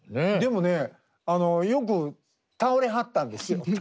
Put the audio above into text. でもよく倒れはったんですよ。